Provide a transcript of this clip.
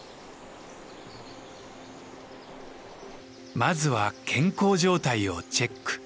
まずは健康状態をチェック。